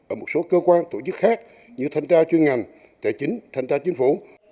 ở một số cơ quan tổ chức khác như thanh tra chuyên ngành tài chính thanh tra chính phủ